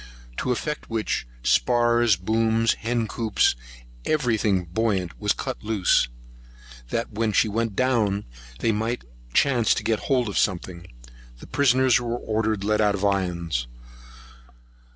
To effect which, spars, booms, hen coops, and every thing buoyant was cut loose, that when she went down, they might chance to get hold of something. The prisoners were ordered to be let out of irons.